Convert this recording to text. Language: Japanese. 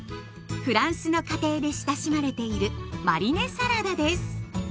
フランスの家庭で親しまれているマリネサラダです。